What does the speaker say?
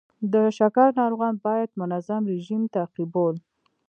د شکر ناروغان باید منظم رژیم تعقیبول.